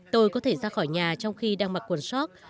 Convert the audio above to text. tôi có thể ra khỏi nhà trong khi đang mặc quần sóc